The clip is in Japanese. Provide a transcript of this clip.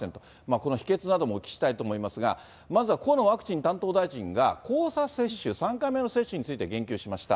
この秘訣などもお聞きしたいと思いますが、まずは河野ワクチン担当大臣が、交差接種、３回目の接種について言及しました。